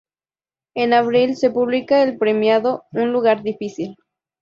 En abril se publica el premiado "Un lugar difícil".